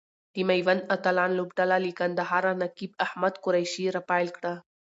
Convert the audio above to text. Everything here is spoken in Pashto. د ميوند اتلان لوبډله له کندهاره نقیب احمد قریشي را پیل کړه.